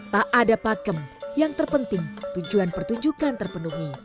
tak ada pakem yang terpenting tujuan pertunjukan terpenuhi